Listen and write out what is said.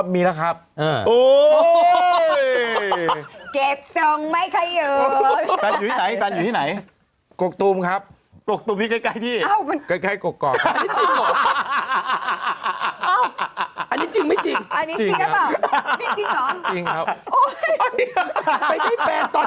อ๋อมีแล้วครับโอ้โฮ